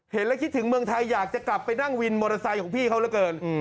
เห็นแล้วคิดถึงเมืองไทยอยากจะกลับไปนั่งวินมอเตอร์ไซค์ของพี่เขาเหลือเกิน